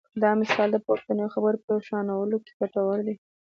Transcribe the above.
دا مثال د پورتنیو خبرو په روښانولو کې ګټور دی.